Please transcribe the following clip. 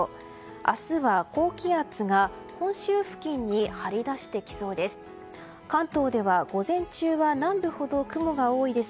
明日は高気圧が本州付近に張り出してきそうです。